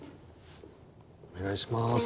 お願いします。